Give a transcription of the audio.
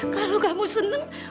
kalau kamu senang